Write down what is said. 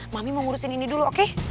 mami mau ngurusin ini dulu oke